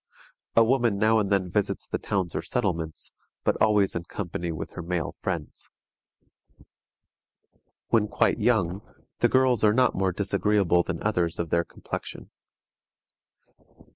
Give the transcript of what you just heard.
A woman now and then visits the towns or settlements, but always in company with her male friends. When quite young, the girls are not more disagreeable than others of their complexion.